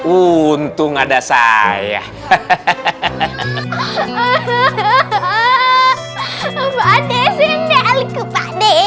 untung ada saya hahaha